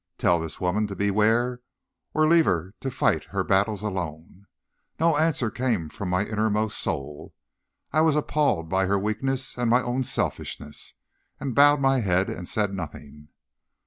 'Tell this woman to beware, or leave her to fight her battles alone?' No answer came from my inmost soul. I was appalled by her weakness and my own selfishness, and bowed my head and said nothing.